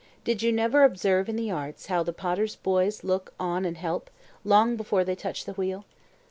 Did you never observe in the arts how the potters' boys look on and help, long before they touch the wheel?